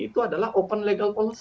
itu adalah open legal policy